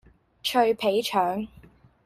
脆皮腸